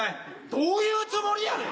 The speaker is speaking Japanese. どういうつもりやねん！